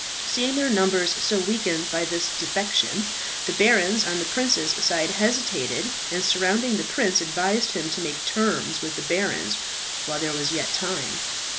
Seeing their numbers so weakened by this defection, the barons on the prince's side hesitated, and surrounding the prince advised him to make terms with the barons while there was yet time.